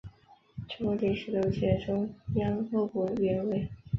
中共第十六届中央候补委员。